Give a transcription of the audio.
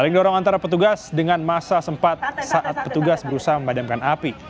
saling dorong antara petugas dengan masa sempat saat petugas berusaha memadamkan api